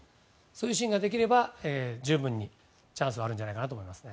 そのシーンができれば十分にチャンスはあるんじゃないかなと思います。